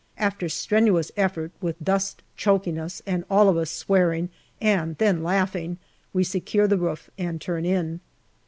After strenuous effort, with dust choking us, and all of us swearing and then laughing, we secure the roof and turn in.